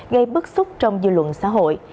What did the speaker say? gây bức xúc trong dư luận xã hội